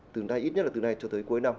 từ nay ít nhất là từ nay cho tới cuối năm